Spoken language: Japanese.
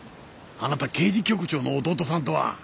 あなた刑事局長の弟さんとは。